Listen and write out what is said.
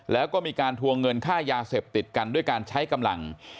แล้วก็มีการทวงเงินค่ายาเสพติดกันด้วยการใช้กำลัง